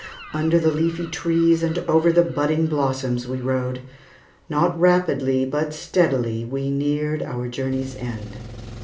Under the leafy trees and over the budding blossoms we rode. Not rapidly, but steadily, we neared our journey's end.